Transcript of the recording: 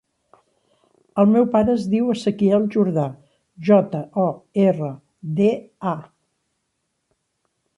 El meu pare es diu Ezequiel Jorda: jota, o, erra, de, a.